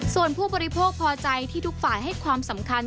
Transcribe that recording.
ส่วนผู้บริโภคพอใจที่ทุกฝ่ายให้ความสำคัญ